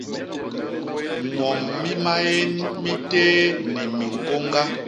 Ñwom mi maén mi téé ni miñkôñga.